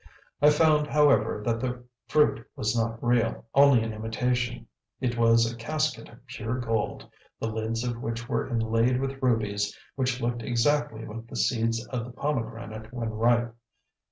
I found, however, that the fruit was not real, only an imitation. It was a casket of pure gold, the lids of which were inlaid with rubies, which looked exactly like the seeds of the pomegranate when ripe.